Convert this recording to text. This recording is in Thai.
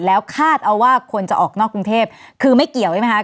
แล้วคาดเอาว่าคนจะออกนอกกรุงเทพคือไม่เกี่ยวใช่ไหมคะ